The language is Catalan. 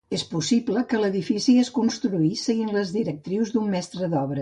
És possible que l'edifici es construís seguint les directrius d'un mestre d'obres.